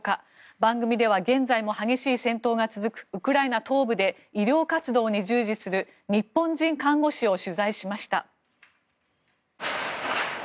番組では現在も激しい戦闘が続くウクライナ東部で医療活動に従事する日本人看護師を取材しました。